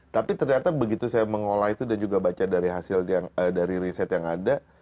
tapi ternyata begitu saya mengolah itu dan juga baca dari hasil dari riset yang ada